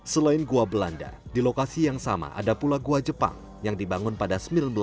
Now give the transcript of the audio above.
selain gua belanda di lokasi yang sama ada pula gua jepang yang dibangun pada seribu sembilan ratus delapan puluh